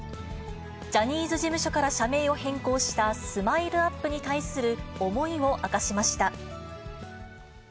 ジャニーズ事務所から社名を変更したスマイルアップに対する思いを明かしました。